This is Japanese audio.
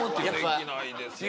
これはできないですよ。